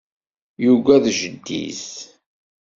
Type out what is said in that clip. Yugad jeddi-s.